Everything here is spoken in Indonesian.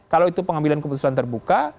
kalau itu pengambilan keputusan terbuka